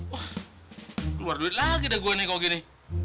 wah luar duit lagi deh gue nih kalau gini